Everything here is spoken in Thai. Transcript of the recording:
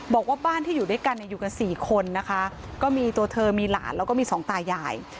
บอกว่าบ้านที่อยู่ด้วยกันเนี่ยอยู่กันสี่คนนะคะก็มีตัวเธอมีหลานแล้วก็มีสองตายาย